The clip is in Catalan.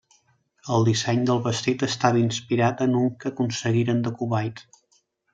El disseny del vestit estava inspirat en un que aconseguiren de Kuwait.